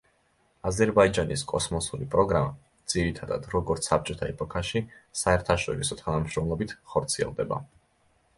აზერბაიჯანის კოსმოსური პროგრამა, ძირითადად, როგორც საბჭოთა ეპოქაში, საერთაშორისო თანამშრომლობით ხორციელდება.